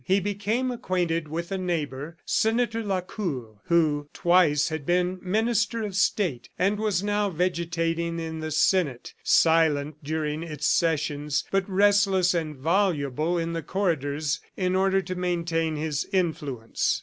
He became acquainted with a neighbor, Senator Lacour, who twice had been Minister of State, and was now vegetating in the senate, silent during its sessions, but restless and voluble in the corridors in order to maintain his influence.